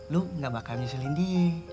lo gak bakal nyusulin die